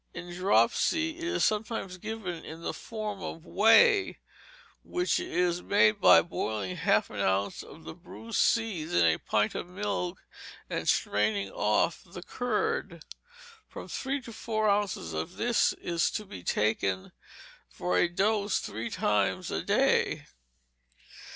In dropsy it is sometimes given in the form of whey, which is made by boiling half an ounce of the bruised seeds in a pint of milk, and straining off the curd. From three to four ounces of this is to be taken for a dose three times a day.